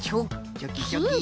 チョキチョキ。